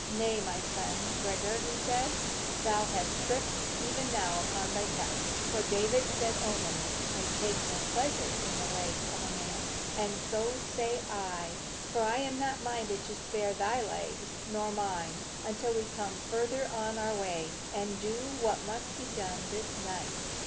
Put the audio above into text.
"Nay, my son Gregor," said he, "thou hast tripped, even now, upon thy text. For David said only, 'I take no pleasure in the legs of a man.' And so say I, for I am not minded to spare thy legs or mine, until we come farther on our way, and do what must be done this night.